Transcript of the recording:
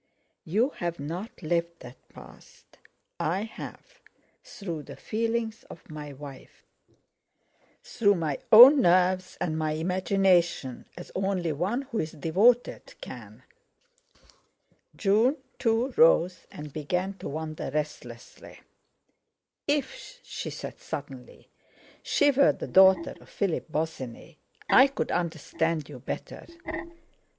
"You haven't lived that past. I have—through the feelings of my wife; through my own nerves and my imagination, as only one who is devoted can." June, too, rose, and began to wander restlessly. "If," she said suddenly, "she were the daughter of Philip Bosinney, I could understand you better.